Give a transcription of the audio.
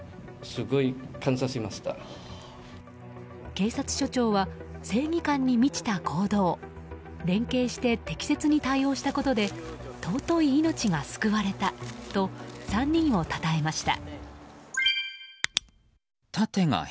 警察署長は正義感に満ちた行動連係して適切に対応したことで尊い命が救われたと３人をたたえました。